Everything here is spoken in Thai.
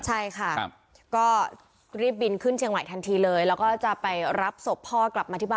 ใช่ค่ะก็รีบบินขึ้นเชียงใหม่ทันทีเลยแล้วก็จะไปรับศพพ่อกลับมาที่บ้าน